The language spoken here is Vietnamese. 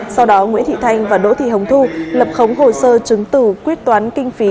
sau đó nguyễn thị thanh và đỗ thị hồng thu lập khống hồ sơ chứng từ quyết toán kinh phí